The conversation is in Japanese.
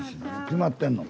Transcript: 決まってんの？